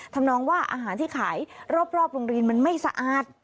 ทำนองว่าอาหารที่ขายรอบโรงเรียนมันไม่สะอาด